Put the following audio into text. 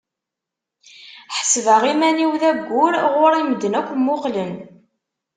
Ḥesbeɣ iman-iw d ayyur, ɣur-i medden akk mmuqlen.